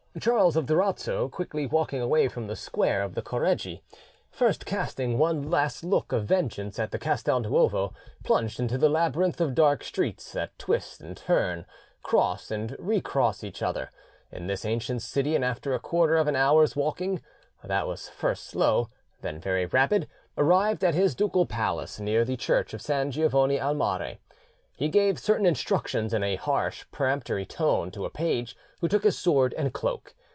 Charles of Durazzo, quickly walking away from the square of the Correggi, first casting one last look of vengeance at the Castel Nuovo, plunged into the labyrinth of dark streets that twist and turn, cross and recross one another, in this ancient city, and after a quarter of an hour's walking, that was first slow, then very rapid, arrived at his ducal palace near the church of San Giovanni al Mare. He gave certain instructions in a harsh, peremptory tone to a page who took his sword and cloak.